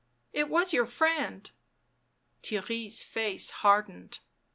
" It was your friend." Theirry's face hardened.